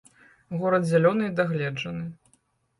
Горад зялёны і дагледжаны.